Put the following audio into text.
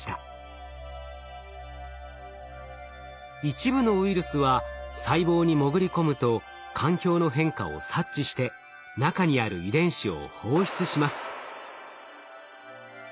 一部のウイルスは細胞に潜り込むと環境の変化を察知して中にある遺伝子を放出します。